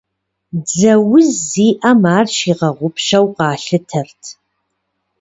Дзэ уз зиӏэм ар щигъэгъупщэу къалъытэрт.